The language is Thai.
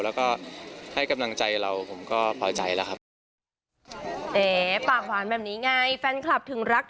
แล้วก็ให้กำลังใจเราผมก็พอใจแล้วครับ